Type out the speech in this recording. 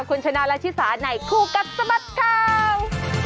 คุณชนะและขี้สาในครู่กัดสมัติข้าว